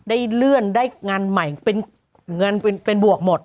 ได้เลื่อนได้งานใหม่เป็นเงินเป็นบวกหมด